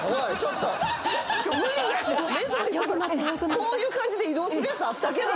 こういう感じで移動するやつあったけど。